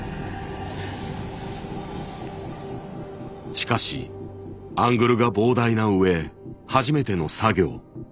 しかしアングルが膨大なうえ初めての作業。